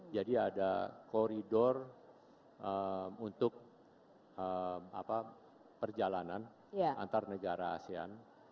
jadi ada koridor untuk perjalanan antar negara asean